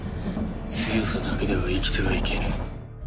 強さだけでは生きては行けぬ。